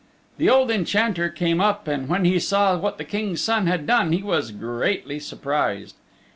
The old Enchanter came up and when he saw what the King's Son had done he was greatly surprised.